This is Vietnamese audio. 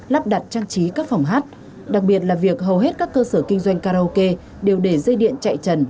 lắp đặt trang trí các phòng hát đặc biệt là việc hầu hết các cơ sở kinh doanh karaoke đều để dây điện chạy trần